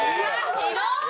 ひどい！